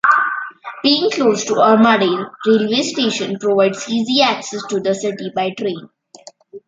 Being close to Armadale railway station provides easy access to the city by train.